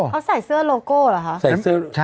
เขาใส่เสื้อโลโก้เหรอคะ